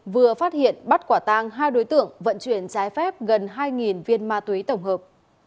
vừa phát hiện bắt quả tang hai đối tượng vận chuyển trái phép gần hai viên ma túy tổng hợp